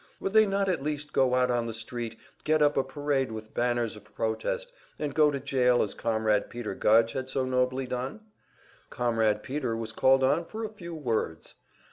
Would they not at least go out on the street, get up a parade with banners of protest, and go to jail as Comrade Peter Gudge had so nobly done? Comrade Peter was called on for "a few words."